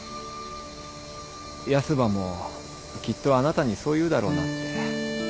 ヤスばもきっとあなたにそう言うだろうなって。